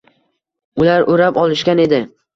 Ular o‘rab olishgan edi.